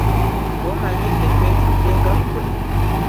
Ggw'omanyi ffe twetudde nga ggwe?